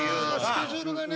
スケジュールがね。